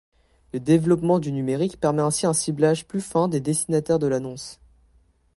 Le développement du numérique permet ainsi un ciblage plus fin des destinataires de l'annonce.